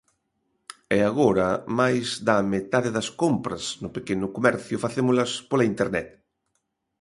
E, agora, máis da metade das compras no pequeno comercio facémolas pola Internet.